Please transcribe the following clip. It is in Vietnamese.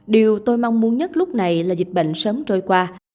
điều tôi mong muốn nhất lúc này là dịch bệnh sớm trôi qua